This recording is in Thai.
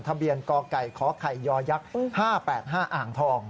ทะเบียนกไก่ขไข่ยักษ์๕๘๕อ่างทอง